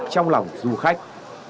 trong lòng du khách